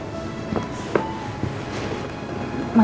makasih banyak ya mas